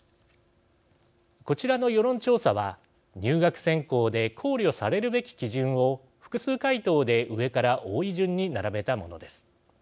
こちらの世論調査は入学選考で考慮されるべき基準を複数回答で上から多い順に並べたものです。